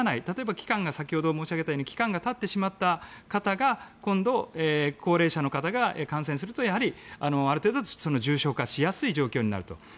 例えば先ほど申したように期間がたってしまった方が今度、高齢者の方が感染するとやはりある程度重症化しやすい状況になると。